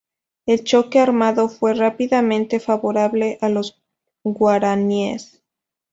El choque armado fue rápidamente favorable a los guaraníes.